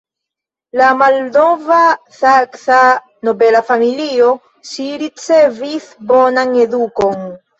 El malnova Saksa nobela familio, ŝi ricevis bonan edukon.